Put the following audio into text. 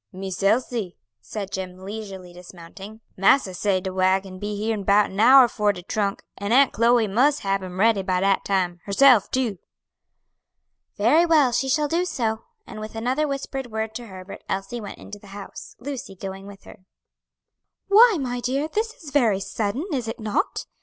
"Miss Elsie," said Jim, leisurely dismounting, "massa say de wagon be here in 'bout an hour for de trunk, an' Aunt Chloe mus' hab 'em ready by dat time; herself too." "Very well, she shall do so," and with another whispered word to Herbert, Elsie went into the house, Lucy going with her. "Why, my dear, this is very sudden, is it not?"